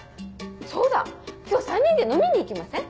そうだ今日３人で飲みに行きません？